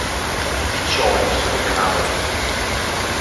I piccioli sono glabri.